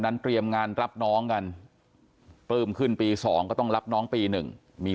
เตรียมงานรับน้องกันปลื้มขึ้นปี๒ก็ต้องรับน้องปี๑มี